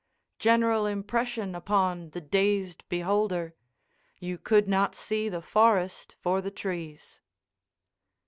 General impression upon the dazed beholder—you could not see the forest for the trees.